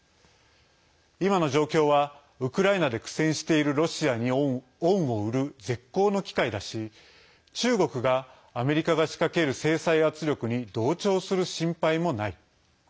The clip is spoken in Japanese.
今の状況は、ウクライナで苦戦しているロシアに恩を売る絶好の機会だし中国がアメリカが仕掛ける制裁圧力に同調する心配もない。